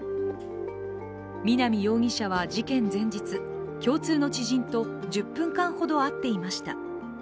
南容疑者は事件前日、共通の知人と１０分間ほど会っていました。